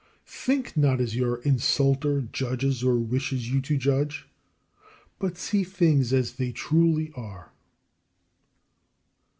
11. Think not as your insulter judges or wishes you to judge: but see things as they truly are.